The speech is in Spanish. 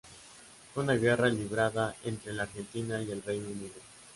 Fue una guerra librada entre la Argentina y el Reino Unido.